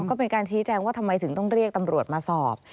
ก็เป็นการชี้แจงว่าทำไมถึงต้องเรียกตำรวจมาสอบ